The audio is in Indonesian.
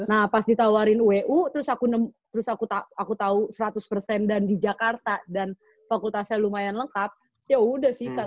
nah pas ditawarin wu terus aku tahu seratus persen dan di jakarta dan fakultasnya lumayan lengkap ya udah sih